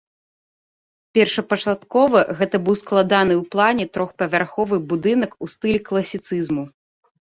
Першапачаткова гэта быў складаны ў плане трохпавярховы будынак у стылі класіцызму.